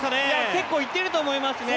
結構いってると思いますね。